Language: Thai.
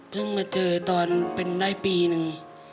เพิ่งมาเจอตอนเป็นได้ปีหนึ่ง